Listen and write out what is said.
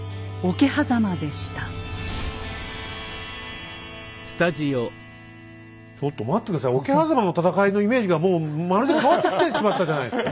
桶狭間の戦いのイメージがもうまるで変わってきてしまったじゃないですか！